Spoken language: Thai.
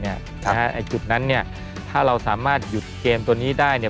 จุดนั้นเนี่ยถ้าเราสามารถหยุดเกมตัวนี้ได้เนี่ย